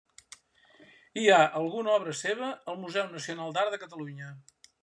Hi ha alguna obra seva al Museu Nacional d'Art de Catalunya.